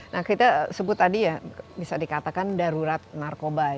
nah kita sebut tadi ya bisa dikatakan darurat narkoba